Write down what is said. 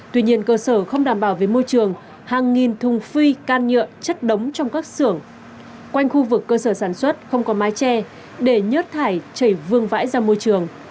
tuy nhiên cơ sở không đảm bảo về môi trường hàng nghìn thùng phi can nhựa chất đống trong các xưởng quanh khu vực cơ sở sản xuất không có mái tre để nhớt thải chảy vương vãi ra môi trường